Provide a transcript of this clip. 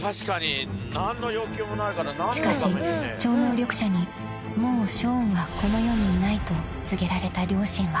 ［しかし超能力者にもうショーンはこの世にいないと告げられた両親は］